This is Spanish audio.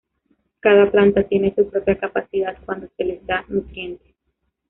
Cada planta tiene su propia capacidad cuando se les dan nutrientes.